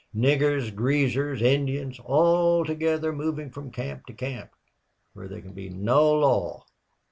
Niggers, Greasers, Indians, all together moving from camp to camp, where there can be no law."